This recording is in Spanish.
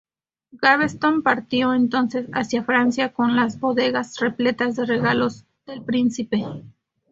Gaveston partió entonces hacia Francia, con las bodegas repletas de regalos del príncipe.